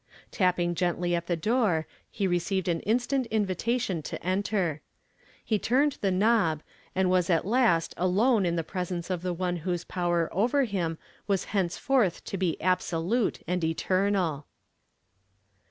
Tapping gently at the door, he received an instant invitation to enter; he turned the knob, and was at last alone in the presence of the One whose power over him was henceforth to be absolute and eternal.